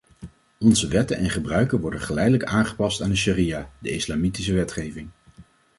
Onze wetten en gebruiken worden geleidelijk aangepast aan de sharia, de islamitische wetgeving.